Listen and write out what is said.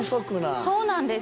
そうなんです。